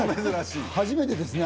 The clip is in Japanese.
初めてですね